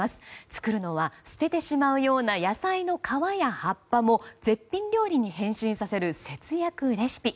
作るのは捨ててしまうような野菜の皮や葉っぱも絶品料理に変身させる節約レシピ。